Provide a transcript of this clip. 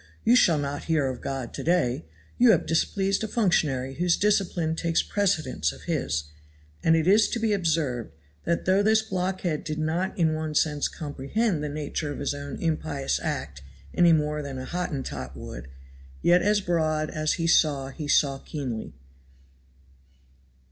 you shall not hear of God to day you have displeased a functionary whose discipline takes precedence of His;" and it is to be observed, that though this blockhead did not in one sense comprehend the nature of his own impious act any more than a Hottentot would, yet as broad as he saw he saw keenly.